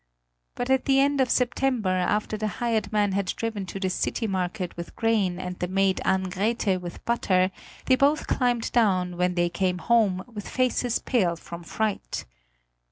But at the end of September, after the hired man had driven to the city market with grain and the maid Ann Grethe with butter, they both climbed down, when they came home, with faces pale from fright.